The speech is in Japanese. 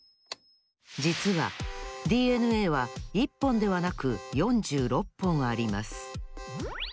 じつはＤＮＡは１ぽんではなく４６ぽんあります